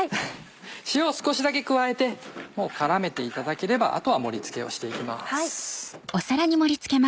塩を少しだけ加えて絡めていただければあとは盛り付けをして行きます。